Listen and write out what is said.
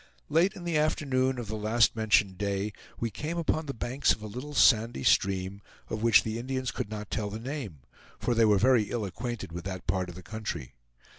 Late in the afternoon of the last mentioned day we came upon the banks of a little sandy stream, of which the Indians could not tell the name; for they were very ill acquainted with that part of the country.